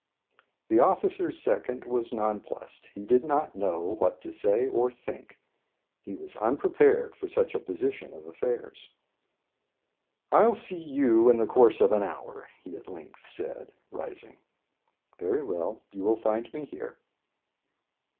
The officer's second was nonplussed; he did not know what to say or think. He was unprepared for such a position of affairs. "I'll see you in the course of an hour," he at length said, rising. "Very well; you will find me here."